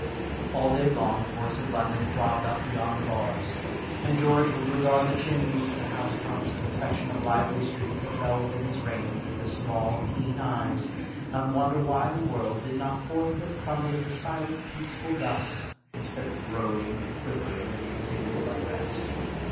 All day long the voice of London throbbed up beyond the bars, and George would regard the chimneys and the housetops and the section of lively street that fell within his range with his small, keen eyes, and wonder why the world did not forthwith crumble into silent, peaceful dust, instead of groaning and quivering in continual unrest.